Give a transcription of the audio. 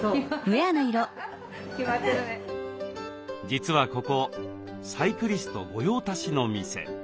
実はここサイクリスト御用達の店。